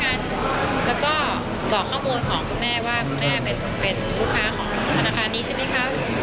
แล้วก็บอกข้อมูลของคุณแม่ว่าคุณแม่เป็นลูกค้าของธนาคารนี้ใช่ไหมคะ